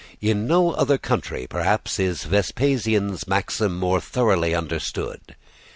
In no other country, perhaps, is Vespasian's maxim more thoroughly understood.